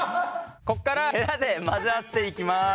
ここからヘラで混ぜ合わせていきます。